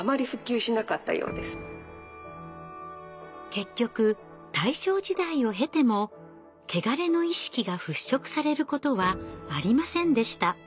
結局大正時代を経てもケガレの意識が払拭されることはありませんでした。